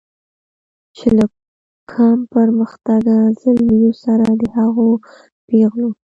چې له کم پرمختګه زلمیو سره د هغو پیغلو